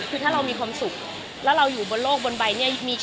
คือถ้าเรามีความสุขแล้วเราอยู่บนโลกบนใบเนี่ย